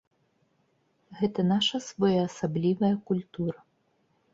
Гэта наша своеасаблівая культура.